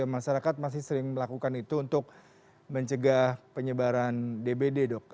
masyarakat masih sering melakukan itu untuk mencegah penyebaran dbd dok